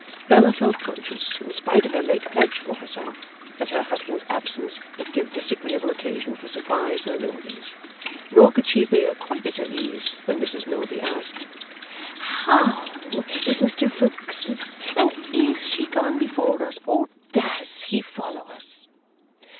Bella felt conscious, in spite of her late pledge for herself, that her husband's absence would give disagreeable occasion for surprise to the Milveys. Nor could she appear quite at her ease when Mrs Milvey asked: 'HOW is Mr Rokesmith, and IS he gone before us, or DOES he follow us?